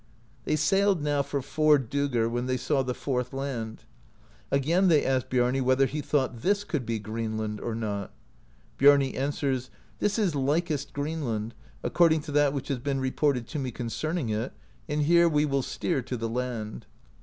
They sailed now for four doegr, when they saw the fourth land. Again they asked Biarni w^hether he thought this could be Greenland or not, Biarni answers, This is likest Greenland, according to that which has been reported to me concerning it, and here we will steer to the land."